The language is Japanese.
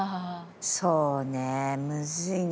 そうねむずいな。